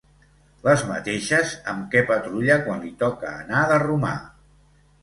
Les mateixes amb què patrulla quan li toca anar de romà.